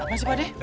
apa sih pak d